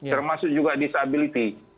termasuk juga disability